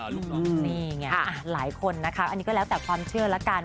นี่ไงหลายคนนะคะอันนี้ก็แล้วแต่ความเชื่อละกัน